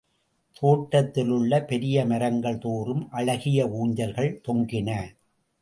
தோட்டத்திலுள்ள பெரிய மரங்கள் தோறும் அழகிய ஊஞ்சல்கள் தொங்கின.